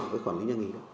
với khuẩn lý nhà nghỉ